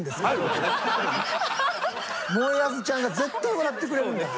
もえあずちゃんが絶対笑ってくれるんです。